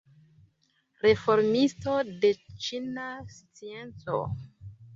Reformisto de ĉina scienco.